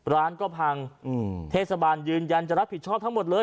ร้านก็พังเทศบาลยืนยันจะรับผิดชอบทั้งหมดเลย